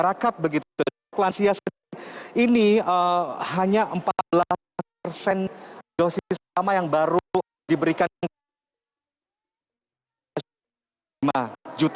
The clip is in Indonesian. laku kedalau ulevel terberat